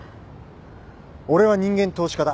俺は人間投資家だ。